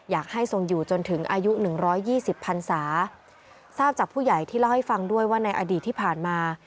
อยากให้ทรงอยู่จนถึงอายุ๑๒๐พันธุ์สาทราบจากผู้ใหญ่ที่เล่าให้ฟังด้วยว่าในอดีตที่ผ่านมา